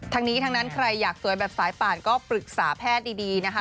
ทั้งนี้ทั้งนั้นใครอยากสวยแบบสายป่านก็ปรึกษาแพทย์ดีนะคะ